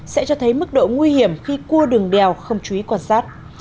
sẽ cho thấy mức độ nguy hiểm khi cua đường đèo không chú ý quan sát